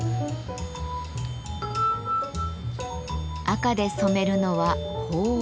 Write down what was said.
赤で染めるのは鳳凰。